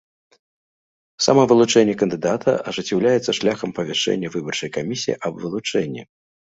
Самавылучэнне кандыдата ажыццяўляецца шляхам апавяшчэння выбарчай камісіі аб вылучэнні.